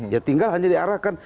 ya tinggal hanya diarahkan